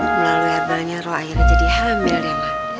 melalui adanya lo akhirnya jadi hamil ya mak